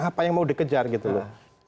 apa yang mau dikejar gitu loh